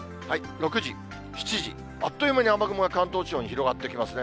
６時、７時、あっという間に雨雲が関東地方に広がってきますね。